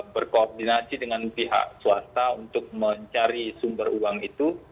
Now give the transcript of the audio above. berkoordinasi dengan pihak swasta untuk mencari sumber uang itu